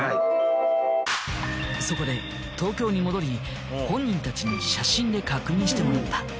そこで東京に戻り本人たちに写真で確認してもらった。